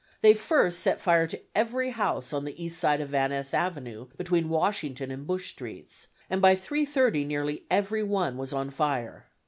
They first set fire to every house on the east side of Van Ness Avenue between Washington and Bush streets, and by 3:30 nearly every one was on fire.